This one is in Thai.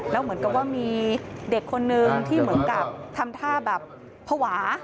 แล้วเหมือนกับว่ามีเด็กคนนึงที่เหมือนกับทำท่าแบบภาวะ